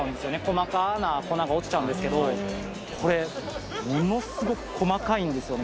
細かな粉が落ちちゃうんですけどこれものすごく細かいんですよ